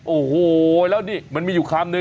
โอ้โฮแล้วนี่มันมีอยู่ความเนื้อ